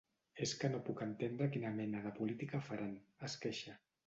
És que no puc entendre quina mena de política faran, es queixa.